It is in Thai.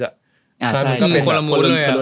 ใช่มันก็เป็นคนละมูลด้วยอะ